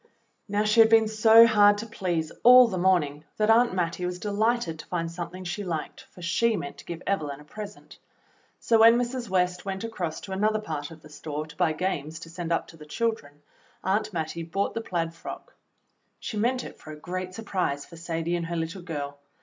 Now, she had been so hard to please all the morning that Aunt Mattie was de lighted to find something she liked, for she meant to give Evelyn a present; so when Mrs. West went across to another part of the store to buy games to send up to the childreuj Aunt Mattie bought the plaid frock. She meant it for a great surprise for Sadie and her little girl.